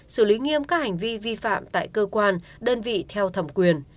xử lý nghiêm các hành vi vi phạm tại cơ quan đơn vị theo thẩm quyền